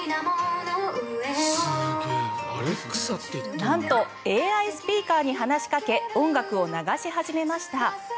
なんとＡＩスピーカーに話しかけ音楽を流し始めました。